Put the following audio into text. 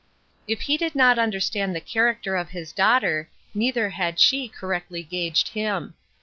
If he did not understand the character of his daughter, neither had she correctly gauged him.